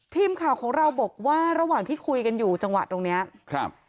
ทีมข่าวของเราบอกว่าระหว่างที่คุยกันอยู่จังหวะตรงเนี้ยครับ